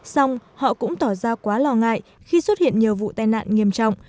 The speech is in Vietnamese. xong họ cũng tỏ ra quá lo ngại khi xuất hiện nhiều vụ tai nạn nghiêm trọng